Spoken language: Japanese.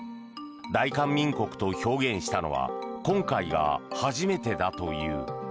大韓民国と表現したのは今回が初めてだという。